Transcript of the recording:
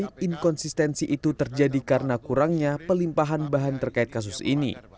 tapi inkonsistensi itu terjadi karena kurangnya pelimpahan bahan terkait kasus ini